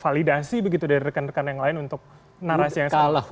validasi begitu dari rekan rekan yang lain untuk narasi yang salah